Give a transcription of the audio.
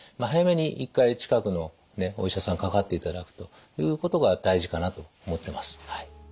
早めに一回近くのお医者さんかかっていただくということが大事かなと思ってます。